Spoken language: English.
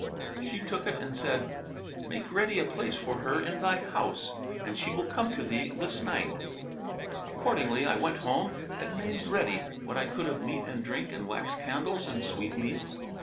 She took it and said, 'Make ready a place for her in thy house, and she will come to thee this night.' Accordingly I went home and made ready what I could of meat and drink and wax candles and sweetmeats.